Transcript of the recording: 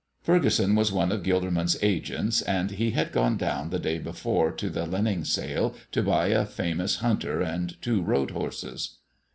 Furgeson was one of Gilderman's agents, and he had gone down the day before to the Lenning sale to buy a famous hunter and two road horses.